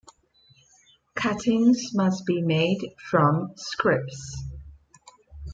Cuttings must be made from scripts.